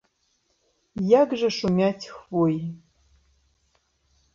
Як жа шумяць хвоі!